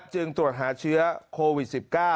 จึงตรวจหาเชื้อโควิด๑๙